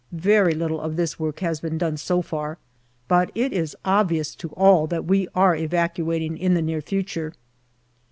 Very little of this work has been done so far, but it is obvious to all that we are evacuating in the near future.